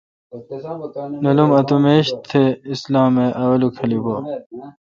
نل م اتوں میش تہ اسلام اے°اوّلک خلیفہ